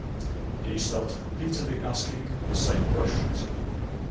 He started repeatedly asking the same questions.